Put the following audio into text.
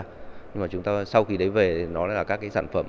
nhưng mà chúng ta sau khi đấy về nó là các cái sản phẩm